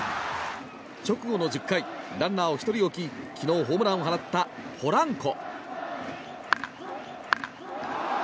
直後の１０回ランナーを１人置き昨日ホームランを放ったポランコ。